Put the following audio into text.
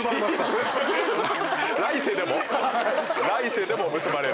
来世でも⁉来世でも結ばれる。